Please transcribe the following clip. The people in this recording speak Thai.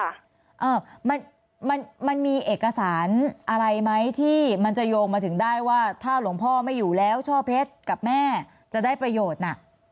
เออมันมันมีเอกสารอะไรไหมที่มันจะโยงมาถึงได้ว่าถ้าหลวงพ่อไม่อยู่แล้วช่อเพชรกับแม่จะได้ประโยชน์น่ะ